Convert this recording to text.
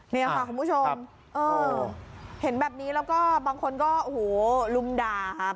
นี่ค่ะคุณผู้ชมเออเห็นแบบนี้แล้วก็บางคนก็โอ้โหลุมด่าครับ